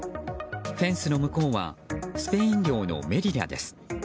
フェンスの向こうはスペイン領のメリリャです。